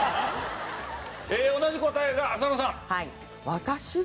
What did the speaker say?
同じ答えが浅野さん。